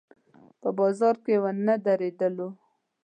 په بازار کې ونه درېدلو.